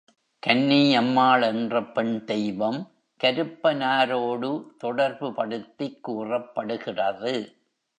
கன்னியம்மாள் என்ற பெண் தெய்வம் கருப்பனாரோடு தொடர்புபடுத்திக் கூறப்படுகிறது.